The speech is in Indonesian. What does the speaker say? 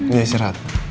ya si rat